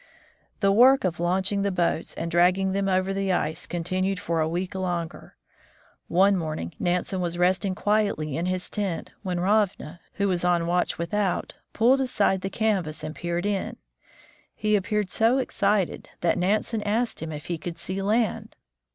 The work of launching the boats and dragging them over the ice continued for a week longer. One morning NANSEN CROSSES GREENLAND 113 Nansen was resting quietly in his tent, when Ravna, who was on watch without, pulled aside the canvas and peered in. He appeared so excited that Nansen asked him if he could see land.